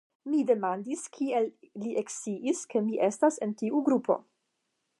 Mi demandis, kiel li eksciis, ke mi estas en tiu grupo.